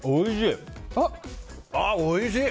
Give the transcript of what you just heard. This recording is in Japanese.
おいしい。